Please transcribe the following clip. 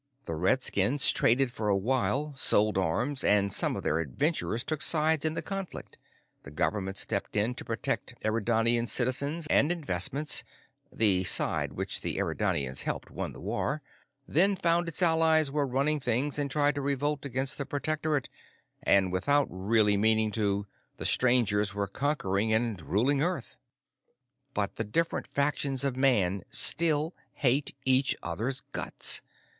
The redskins traded for a while, sold arms, some of their adventurers took sides in the conflict, the government stepped in to protect Eridanian citizens and investments the side which the Eridanians helped won the war, then found its allies were running things and tried to revolt against the protectorate and without really meaning to, the strangers were conquering and ruling Earth. "But the different factions of man still hate each other's guts.